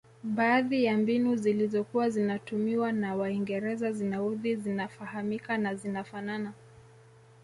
Baadhi ya mbinu zilizokuwa zinatumiwa na waingereza zinaudhi zinafahamika na zinafanana